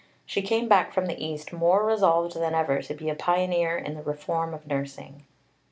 She came back from the East more resolved than ever to be a pioneer in the reform of nursing.